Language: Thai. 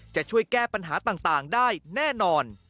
จะช่วยแก้ปัญหาต่างได้แน่นอน